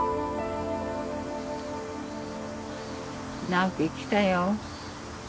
直紀来たよ。